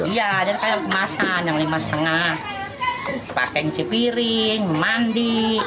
iya jadi kayak kemasan yang lima setengah pakaian cipiring mandi